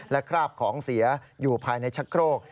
และคราบของเสียอยู่ภายในชักโครก